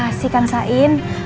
terima kasih kang sain